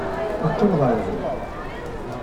Qqel ɣel da.